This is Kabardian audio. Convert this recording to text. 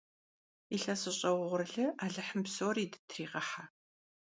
Илъэсыщӏэ угъурлы алыхьым псори дытыригъыхьэ!